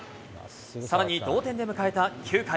さらに同点で迎えた９回。